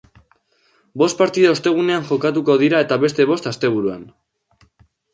Bost partida ostegunean jokatuko dira eta beste bost asteburuan.